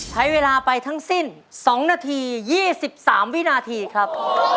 ใช้เวลาไปทั้งสิ้น๒นาที๒๓วินาทีครับ